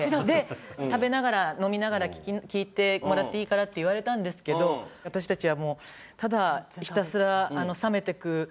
で食べながら飲みながら聞いてもらっていいからって言われたんですけど私たちはもうただ。